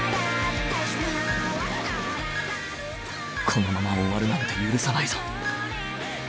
このまま終わるなんて許さないぞ